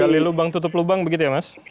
dari lubang tutup lubang begitu ya mas